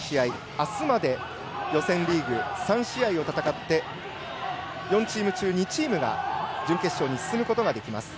あすまで予選リーグ３試合を戦って４チーム中、２チームが準決勝に進むことができます。